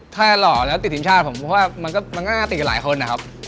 ถ้าหล่อแล้วติดทีมชาติผมก็ว่าก็น่ากล้อนกับหลายคน